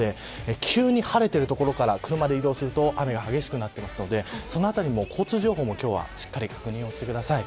急に晴れている所から車で移動すると雨が激しくなっていますのでそのあたりの交通情報も今日はしっかり確認をしてください。